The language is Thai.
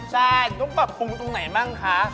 ใช่ต้องปรับปรุงตรงไหนบ้างคะ